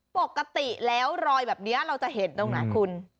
ปกติเนี่ยรอยแบบนี้เราจะเห็นตรงนั้นคุณ